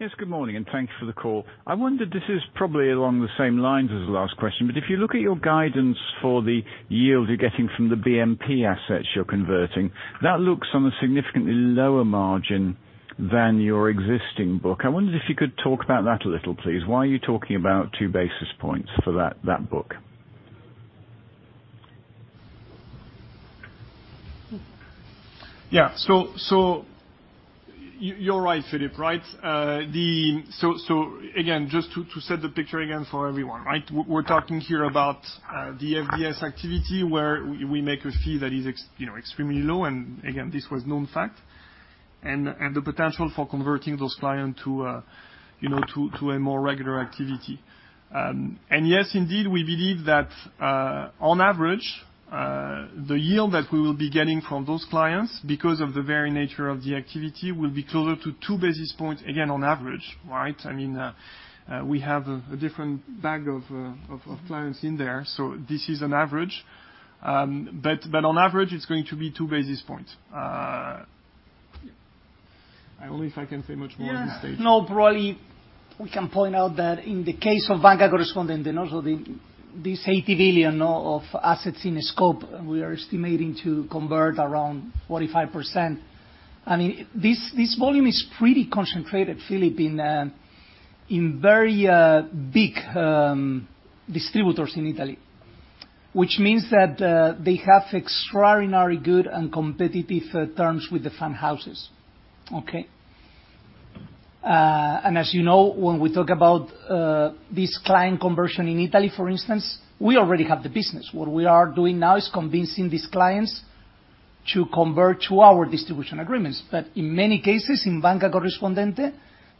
Yes, good morning, and thank you for the call. I wondered, this is probably along the same lines as the last question, but if you look at your guidance for the yield you're getting from the BNP assets you're converting, that looks on a significantly lower margin than your existing book. I wondered if you could talk about that a little, please. Why are you talking about two basis points for that book? You're right, Philip. Right? Again, just to set the picture again for everyone, right? We're talking here about the FDS activity, where we make a fee that is you know extremely low, and again, this was known fact, and the potential for converting those clients to you know to a more regular activity. And yes, indeed, we believe that on average the yield that we will be getting from those clients, because of the very nature of the activity, will be closer to two basis points, again, on average, right? I mean, we have a different bag of clients in there. This is an average. But on average, it's going to be two basis points. I don't know if I can say much more at this stage. Yeah. No, probably we can point out that in the case of Banca Corrispondente, then also this 80 billion of assets in scope, we are estimating to convert around 45%. I mean, this volume is pretty concentrated, Philippe, in very big distributors in Italy, which means that they have extraordinary good and competitive terms with the fund houses. Okay? And as you know, when we talk about this client conversion in Italy, for instance, we already have the business. What we are doing now is convincing these clients to convert to our distribution agreements. But in many cases, in Banca Corrispondente,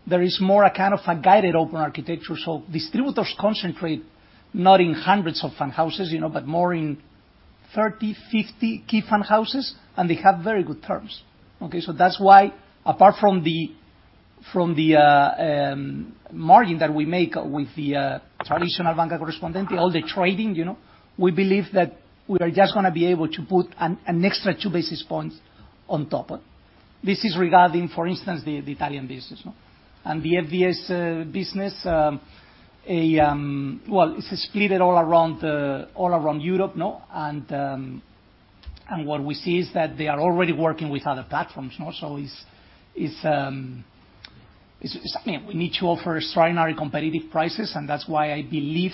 there is more a kind of a guided open architecture. So distributors concentrate not in hundreds of fund houses, you know, but more in 30, 50 key fund houses, and they have very good terms. Okay? That's why apart from the margin that we make with the traditional Banca Corrispondente, all the trading, you know, we believe that we are just gonna be able to put an extra two basis points on top of it. This is regarding, for instance, the Italian business, no? And the FDS business. Well, it's split all around Europe, no? And what we see is that they are already working with other platforms, no? It's, I mean, we need to offer extraordinary competitive prices, and that's why I believe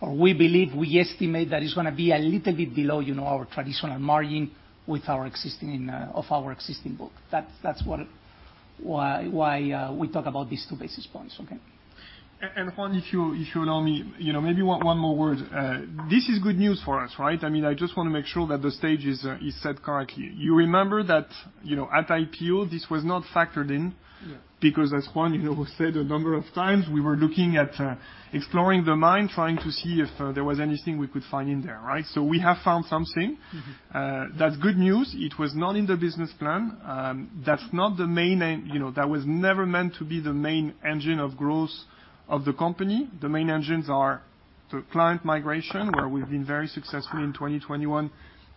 or we believe, we estimate that it's gonna be a little bit below, you know, our traditional margin with our existing book. That's what we talk about these two basis points. Okay? Juan, if you allow me, you know, maybe one more word. This is good news for us, right? I mean, I just wanna make sure that the stage is set correctly. You remember that, you know, at IPO, this was not factored in. Yeah. because as Juan, you know, said a number of times, we were looking at exploring the mine, trying to see if there was anything we could find in there, right? We have found something. Mm-hmm. That's good news. It was not in the business plan. That's not the main. You know, that was never meant to be the main engine of growth of the company. The main engines are the client migration, where we've been very successful in 2021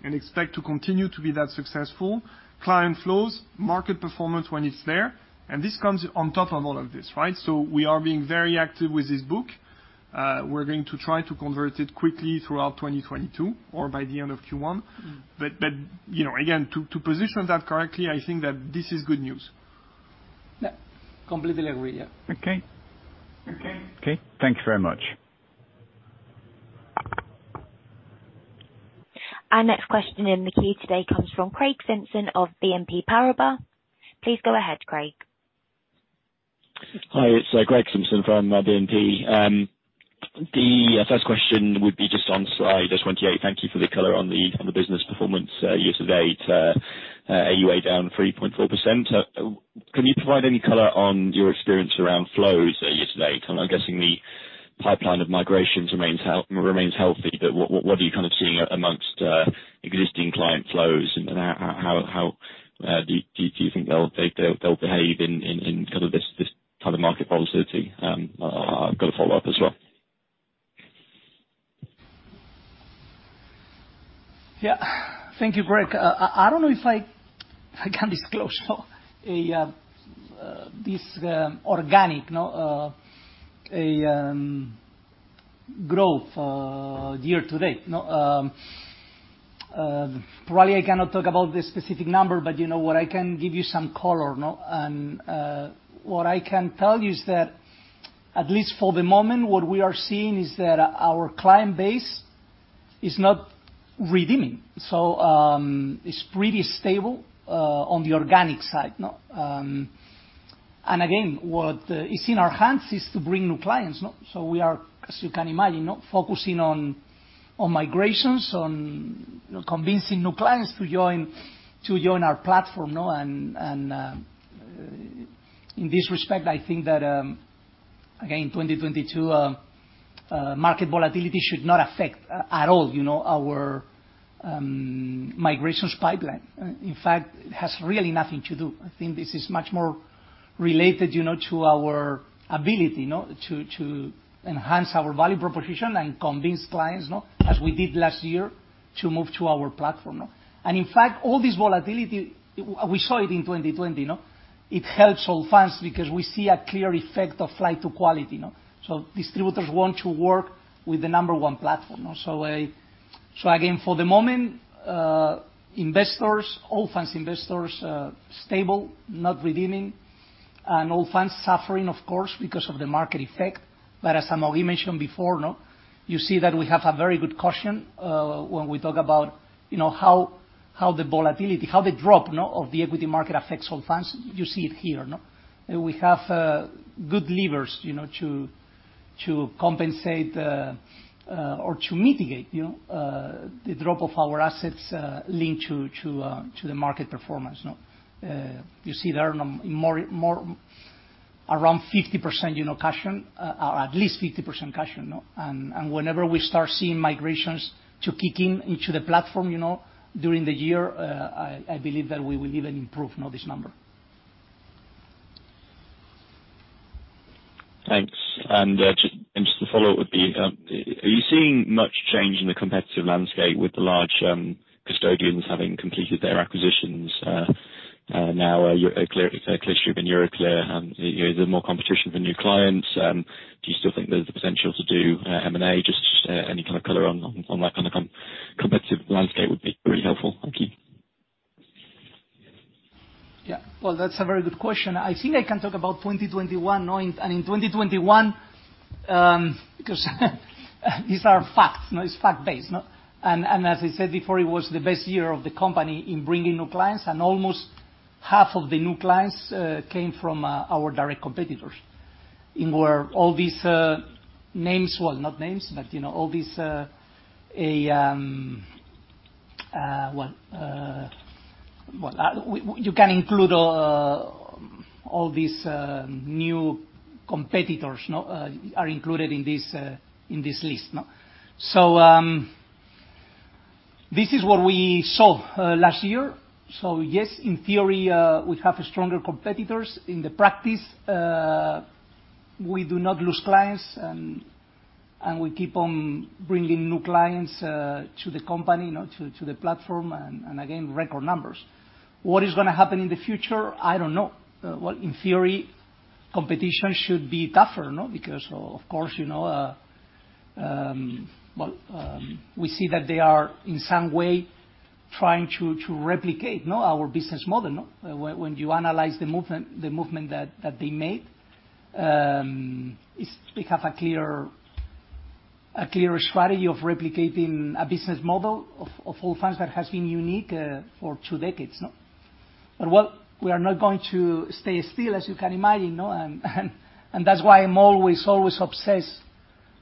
and expect to continue to be that successful. Client flows, market performance when it's there, and this comes on top of all of this, right? We are being very active with this book. We're going to try to convert it quickly throughout 2022 or by the end of Q1. Mm. you know, again, to position that correctly, I think that this is good news. Yeah, completely agree. Yeah. Okay. Okay. Okay. Thank you very much. Our next question in the queue today comes from Greg Simpson of BNP Paribas. Please go ahead, Greg. Hi, it's Greg Simpson from BNP. The first question would be just on slide 28. Thank you for the color on the business performance year-to-date. AUA down 3.4%. Can you provide any color on your experience around flows year-to-date? I'm guessing the pipeline of migrations remains healthy, but what are you kind of seeing amongst existing client flows? And how do you think they'll behave in this kind of market volatility? I've got a follow-up as well. Yeah. Thank you, Greg. I don't know if I can disclose this organic growth year to date. No, probably I cannot talk about the specific number, but you know what? I can give you some color, no? What I can tell you is that at least for the moment, what we are seeing is that our client base is not redeeming. It's pretty stable on the organic side. No? What is in our hands is to bring new clients. No? We are, as you can imagine, focusing on migrations, on convincing new clients to join our platform. No? In this respect, I think that, again, in 2022, market volatility should not affect at all, you know, our migrations pipeline. In fact, it has really nothing to do. I think this is much more related, you know, to our ability to enhance our value proposition and convince clients, no, as we did last year, to move to our platform, no? In fact, all this volatility, we saw it in 2020, no? It helps Allfunds because we see a clear effect of flight to quality, no? Distributors want to work with the number one platform. For the moment, investors, Allfunds investors, stable, not redeeming, and Allfunds suffering, of course, because of the market effect. As Amaury mentioned before, you see that we have a very good cushion when we talk about, you know, how the volatility, how the drop of the equity market affects Allfunds. You see it here, no? We have good levers, you know, to compensate or to mitigate the drop of our assets linked to the market performance, no? You see there are more around 50%, you know, cushion, or at least 50% cushion, no? Whenever we start seeing migrations to kick in into the platform, you know, during the year, I believe that we will even improve this number. Thanks. Just a follow-up would be, are you seeing much change in the competitive landscape with the large custodians having completed their acquisitions, now Clearstream and Euroclear, you know, is there more competition for new clients? Do you still think there's the potential to do M&A? Just any kind of color on that kind of competitive landscape would be really helpful. Thank you. Yeah. Well, that's a very good question. I think I can talk about 2021 and in 2021 because these are facts, you know, it's fact-based, no? As I said before, it was the best year of the company in bringing new clients and almost half of the new clients came from our direct competitors, where all these names. Well, not names, but, you know, all these new competitors are included in this list, no. This is what we saw last year. Yes, in theory, we have stronger competitors. In the practice, we do not lose clients and we keep on bringing new clients to the company, you know, to the platform, and again, record numbers. What is gonna happen in the future? I don't know. Well, in theory, competition should be tougher, no? Because of course, you know, we see that they are in some way trying to replicate our business model, no. When you analyze the movement that they made, it's They have a clearer strategy of replicating a business model of Allfunds that has been unique for two decades, no. Well, we are not going to stay still, as you can imagine, and that's why I'm always obsessed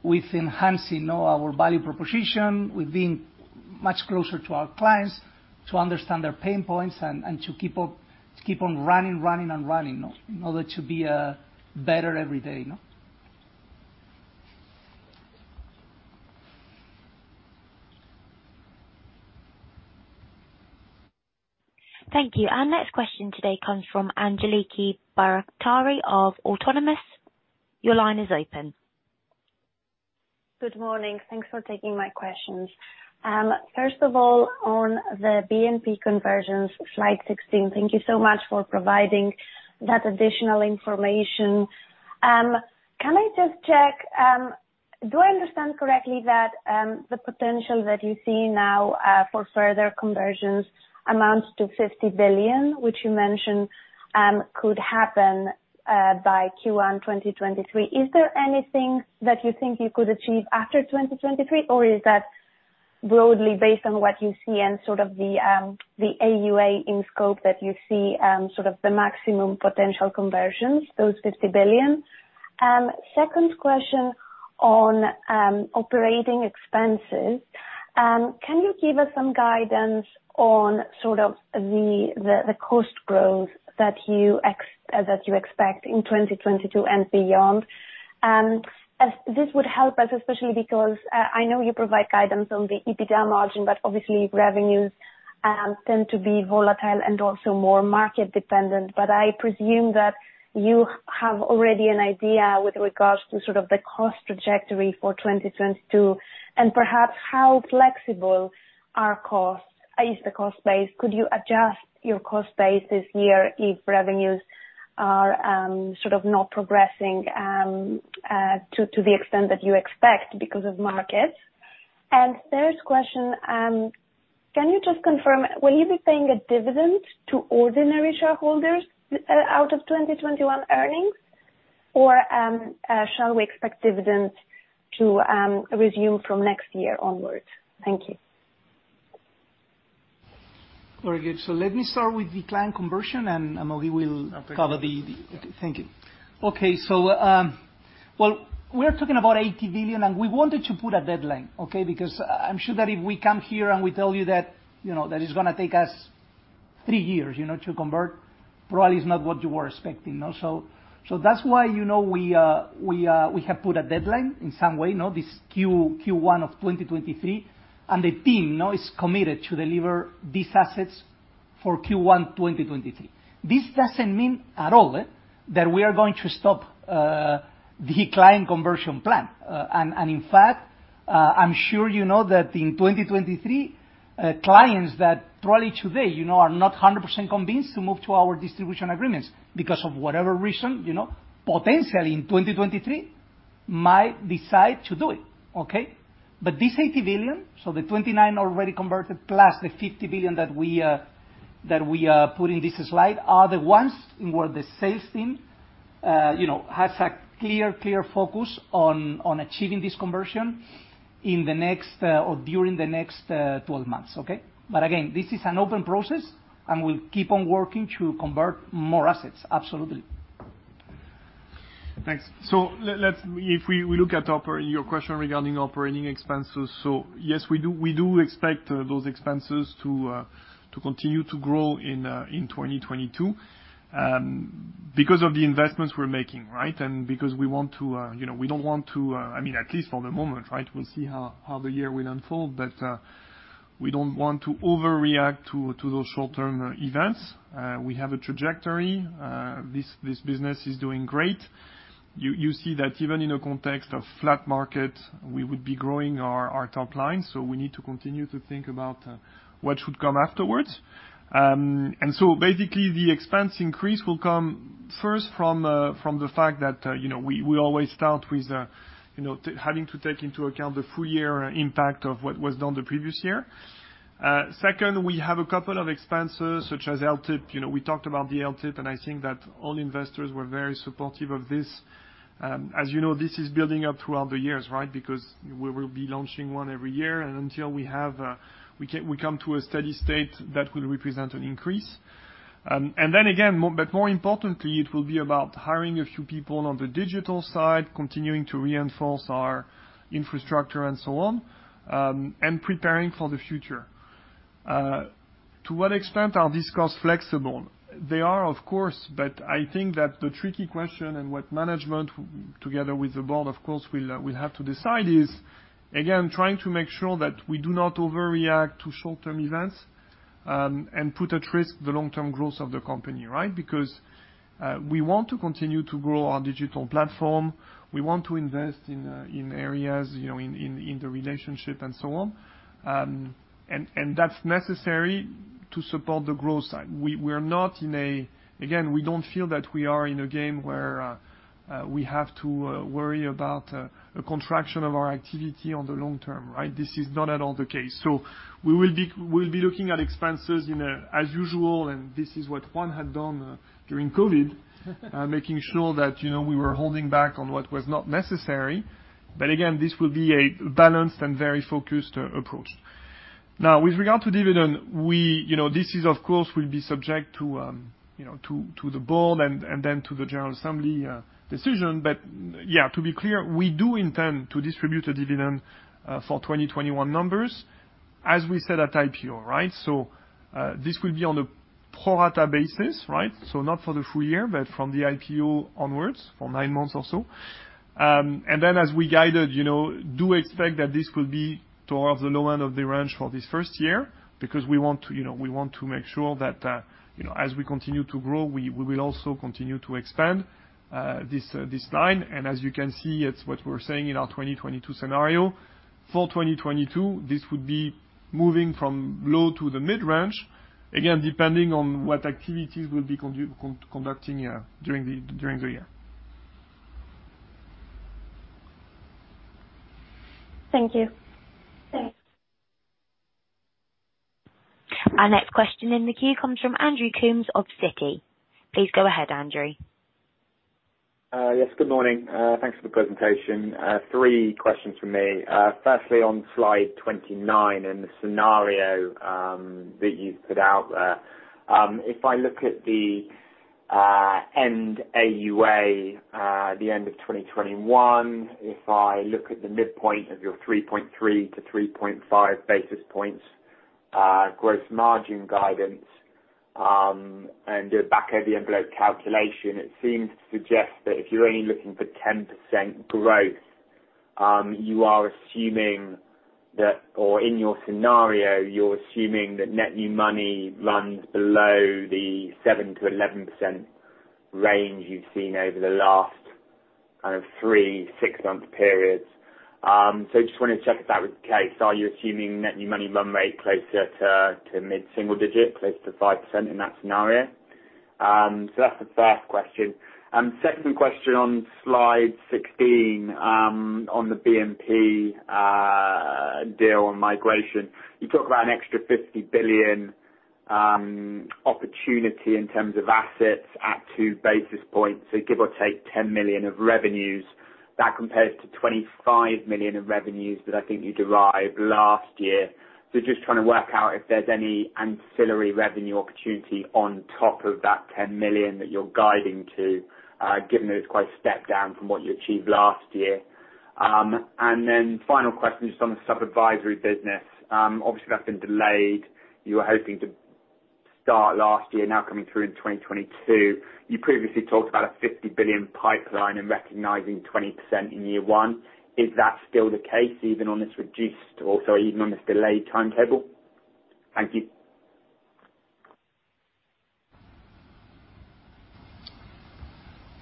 with enhancing our value proposition, with being much closer to our clients to understand their pain points and to keep on running in order to be better every day, you know? Thank you. Our next question today comes from Angeliki Bairaktari of Autonomous. Your line is open. Good morning. Thanks for taking my questions. First of all, on the BNP conversions, slide 16, thank you so much for providing that additional information. Can I just check, do I understand correctly that the potential that you see now for further conversions amounts to 50 billion, which you mentioned, could happen by Q1 2023? Is there anything that you think you could achieve after 2023 or is that broadly based on what you see and sort of the AUA in scope that you see, sort of the maximum potential conversions, those 50 billion? Second question on operating expenses. Can you give us some guidance on sort of the cost growth that you expect in 2022 and beyond? As... This would help us, especially because I know you provide guidance on the EBITDA margin, but obviously revenues tend to be volatile and also more market-dependent. I presume that you have already an idea with regards to sort of the cost trajectory for 2022 and perhaps how flexible are costs, is the cost base. Could you adjust your cost base this year if revenues are sort of not progressing to the extent that you expect because of markets? Third question, can you just confirm, will you be paying a dividend to ordinary shareholders out of 2021 earnings? Or shall we expect dividend to resume from next year onwards? Thank you. Very good. Let me start with the client conversion, and Amaury will cover the- I'll take that, yeah. Thank you. Okay. Well, we're talking about 80 billion, and we wanted to put a deadline, okay? Because I'm sure that if we come here and we tell you that, you know, that it's gonna take us three years, you know, to convert, probably is not what you were expecting, no? That's why, you know, we have put a deadline in some way, no, this Q1 of 2023. The team now is committed to deliver these assets for Q1 2023. This doesn't mean at all that we are going to stop the client conversion plan. In fact, I'm sure you know that in 2023, clients that probably today, you know, are not 100% convinced to move to our distribution agreements because of whatever reason, you know, potentially in 2023 might decide to do it. Okay? This 80 billion, so the 29 already converted, plus the 50 billion that we put in this slide, are the ones where the sales team, you know, has a clear focus on achieving this conversion in the next or during the next 12 months. Okay? This is an open process, and we'll keep on working to convert more assets, absolutely. Thanks. If we look at your question regarding operating expenses. Yes, we do expect those expenses to continue to grow in 2022, because of the investments we're making, right? And because we want to, you know, we don't want to, I mean, at least for the moment, right? We'll see how the year will unfold. We don't want to overreact to those short-term events. We have a trajectory. This business is doing great. You see that even in a context of flat market, we would be growing our top line, so we need to continue to think about what should come afterwards. Basically the expense increase will come first from the fact that, you know, we always start with, you know, having to take into account the full year impact of what was done the previous year. Second, we have a couple of expenses such as LTIP. You know, we talked about the LTIP, and I think that all investors were very supportive of this. As you know, this is building up throughout the years, right? Because we will be launching one every year. Until we come to a steady state, that will represent an increase. More importantly, it will be about hiring a few people on the digital side, continuing to reinforce our infrastructure and so on, and preparing for the future. To what extent are these costs flexible? They are, of course, but I think that the tricky question and what management together with the board, of course, will have to decide is, again, trying to make sure that we do not overreact to short-term events and put at risk the long-term growth of the company, right? Because we want to continue to grow our digital platform. We want to invest in areas, you know, in the relationship and so on. That's necessary to support the growth side. We're not in a game where we have to worry about a contraction of our activity on the long-term, right? This is not at all the case. We'll be looking at expenses in a way as usual, and this is what Juan had done during COVID, making sure that, you know, we were holding back on what was not necessary. Again, this will be a balanced and very focused approach. Now with regard to dividend, you know, this is, of course, will be subject to, you know, to the board and then to the general assembly decision. Yeah, to be clear, we do intend to distribute a dividend for 2021 numbers, as we said at IPO, right? This will be on a pro rata basis, right? Not for the full year, but from the IPO onwards for nine months or so. As we guided, you know, do expect that this will be towards the low end of the range for this first year because we want to, you know, we want to make sure that, you know, as we continue to grow, we will also continue to expand this line. As you can see, it's what we're saying in our 2022 scenario. For 2022, this would be moving from low to the mid-range. Again, depending on what activities we'll be conducting, yeah, during the year. Thank you. Thanks. Our next question in the queue comes from Andrew Coombs of Citi. Please go ahead, Andrew. Yes, good morning. Thanks for the presentation. 3 questions from me. Firstly, on slide 29 and the scenario that you've put out there. If I look at the end AUA at the end of 2021, if I look at the midpoint of your 3.3-3.5 basis points gross margin guidance, and do a back of the envelope calculation, it seems to suggest that if you're only looking for 10% growth, you are assuming that, or in your scenario, you're assuming that net new money runs below the 7%-11% range you've seen over the last kind of 3 six-month periods. So just wanted to check if that was the case. Are you assuming net new money run rate closer to mid-single digit, close to 5% in that scenario? That's the first question. Second question on slide 16, on the BNP deal on migration. You talk about an extra 50 billion opportunity in terms of assets at 2 basis points, so give or take 10 million of revenues. That compares to 25 million in revenues that I think you derived last year. Just trying to work out if there's any ancillary revenue opportunity on top of that 10 million that you're guiding to, given that it's quite a step down from what you achieved last year. Final question just on the sub-advisory business. Obviously that's been delayed. You were hoping to start last year, now coming through in 2022. You previously talked about a 50 billion pipeline and recognizing 20% in year one. Is that still the case even on this delayed timetable? Thank you.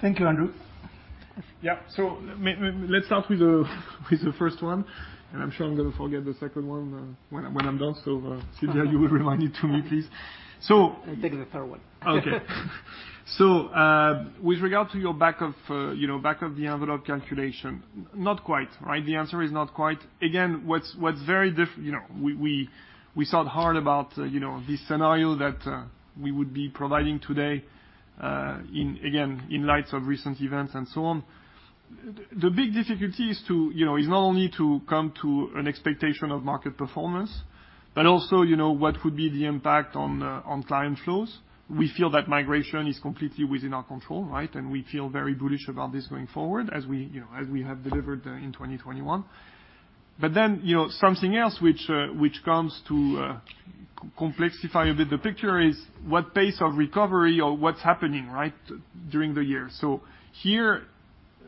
Thank you, Andrew. Yeah. Let's start with the first one, and I'm sure I'm gonna forget the second one when I'm done. Silvia, you will remind it to me, please. I'll take the third one. Okay. With regard to your back-of-the-envelope calculation, not quite, right? The answer is not quite. Again, what's very difficult, you know, we thought hard about this scenario that we would be providing today, again, in light of recent events and so on. The big difficulty is not only to come to an expectation of market performance, but also, you know, what would be the impact on client flows. We feel that migration is completely within our control, right? We feel very bullish about this going forward as we, you know, have delivered in 2021. You know, something else which comes to complexify a bit the picture is what pace of recovery or what's happening, right, during the year. Here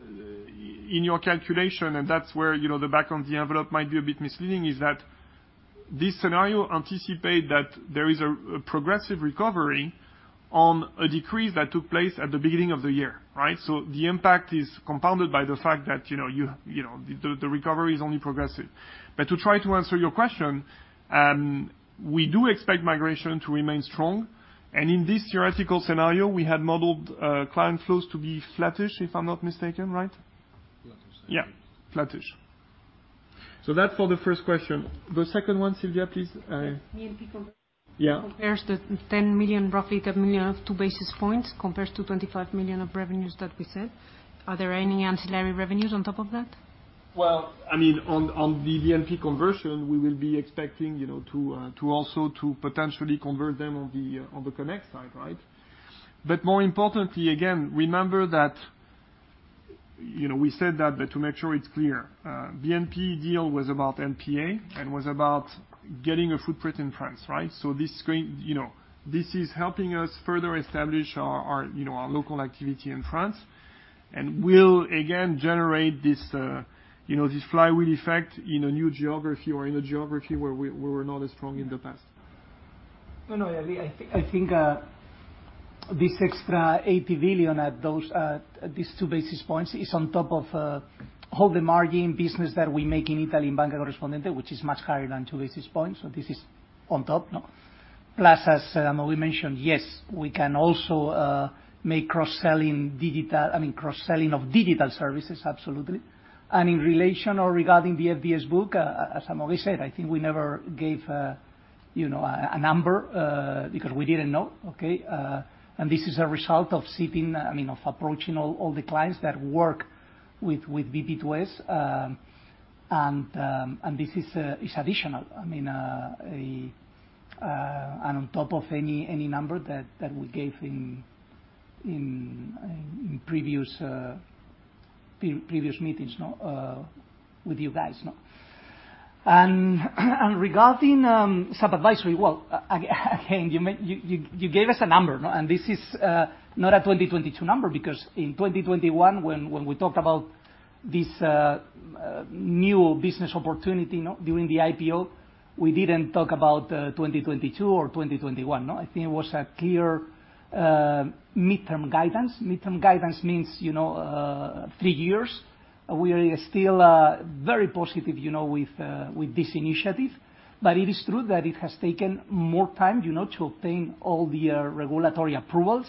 in your calculation, and that's where, you know, the back of the envelope might be a bit misleading, is that this scenario anticipate that there is a progressive recovery on a decrease that took place at the beginning of the year, right? The impact is compounded by the fact that, you know, the recovery is only progressive. To try to answer your question, we do expect migration to remain strong. In this theoretical scenario, we had modeled client flows to be flattish, if I'm not mistaken, right? Flattish. Yeah, flattish. That's for the first question. The second one, Silvia, please. The BNP conversion. Yeah. Compares the 10 million, roughly 10 million of two basis points compares to 25 million of revenues that we said. Are there any ancillary revenues on top of that? Well, I mean, on the BNP conversion, we will be expecting, you know, to also potentially convert them on the Connect side, right? But more importantly, again, remember that, you know, we said that, but to make sure it's clear, BNP deal was about LPA and was about getting a footprint in France, right? This is helping us further establish our, you know, our local activity in France and will again generate this, you know, this flywheel effect in a new geography or in a geography where we were not as strong in the past. No, I think this extra 80 billion at these two basis points is on top of all the margin business that we make in Italy in Banca Corrispondente, which is much higher than two basis points. This is on top. Plus, as Amaury mentioned, yes, we can also make cross-selling digital, I mean, cross-selling of digital services, absolutely. In relation or regarding the FDS book, as Amaury said, I think we never gave, you know, a number because we didn't know, okay? And this is a result of sitting, I mean, of approaching all the clients that work with BP2S. This is additional, I mean, and on top of any number that we gave in previous meetings with you guys, no. Regarding sub-advisory, well, again, you gave us a number, no? This is not a 2022 number, because in 2021 when we talked about this new business opportunity during the IPO, we didn't talk about 2022 or 2021, no. I think it was a clear midterm guidance. Midterm guidance means, you know, three years. We are still very positive, you know, with this initiative. It is true that it has taken more time, you know, to obtain all the regulatory approvals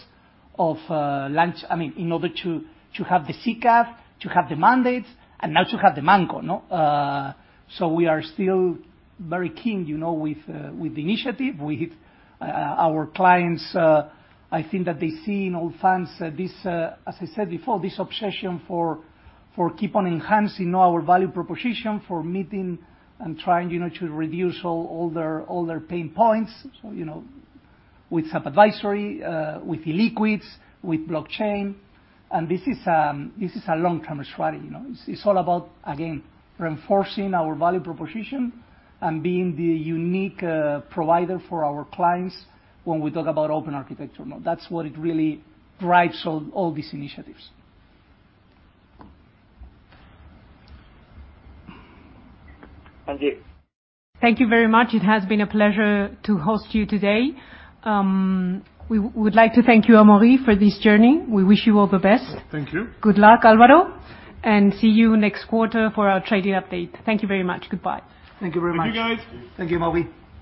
for launch, I mean, in order to have the SICAV, to have the mandates, and now to have the ManCo. We are still very keen, you know, with the initiative. With our clients, I think that they see in Allfunds this, as I said before, this obsession for keeping on enhancing our value proposition, for meeting and trying, you know, to reduce all their pain points, you know, with sub-advisory, with illiquids, with blockchain. This is a long-term strategy, you know. It's all about, again, reinforcing our value proposition and being the unique provider for our clients when we talk about open architecture. That's what it really drives all these initiatives. Thank you. Thank you very much. It has been a pleasure to host you today. We would like to thank you, Amaury, for this journey. We wish you all the best. Thank you. Good luck, Álvaro, and see you next quarter for our trading update. Thank you very much. Goodbye. Thank you very much. Thank you, guys. Thank you, Amaury.